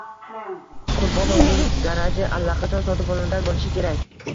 Qurbonovning garaji allaqachon sotib olingan bo'lishi kerak